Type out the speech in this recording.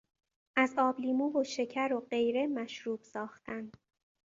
از آب لیمو و شکر و غیره مشروب ساختن